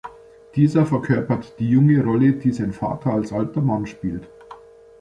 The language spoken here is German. Dieser verkörpert die junge Rolle, die sein Vater als alter Mann spielt.